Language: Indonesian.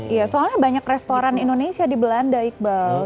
iya soalnya banyak restoran indonesia di belanda iqbal